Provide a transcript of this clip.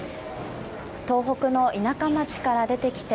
東北の田舎町から出てきて